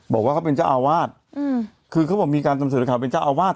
บอกว่าเขาเป็นเจ้าอาวาสคือเขาบอกมีการจำเสนอข่าวเป็นเจ้าอาวาส